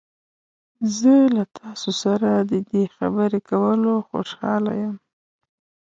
زه له تاسو سره د دې خبرې کولو خوشحاله یم.